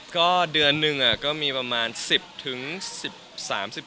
ก็เดือนหนึ่งอะก็มีประมาณ๑๐ถึง๑๓๑๔คอนเสิร์ตอะครับ